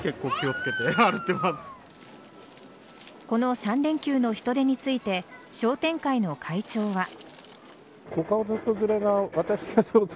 この３連休の人出について商店会の会長は。